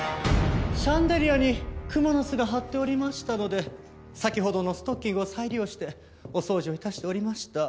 シャンデリアにクモの巣が張っておりましたので先ほどのストッキングを再利用してお掃除を致しておりました。